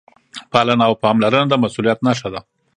پالنه او پاملرنه د مسؤلیت نښه ده.